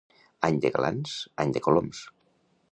Any de glans, any de coloms.